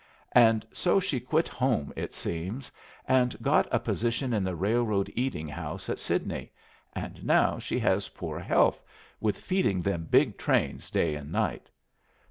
And so she quit home, it seems, and got a position in the railroad eating house at Sidney, and now she has poor health with feeding them big trains day and night."